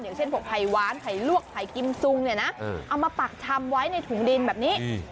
อย่างเช่นพวกไผ่ว้านไผ่ลวกไข่กิมซุงเนี่ยนะเอามาปักชำไว้ในถุงดินแบบนี้